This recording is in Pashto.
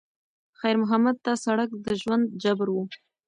خیر محمد ته سړک د ژوند جبر و.